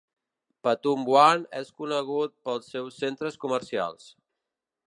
Pathum Wan és conegut pels seus centres comercials.